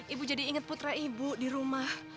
ibu jadi ingat putra ibu di rumah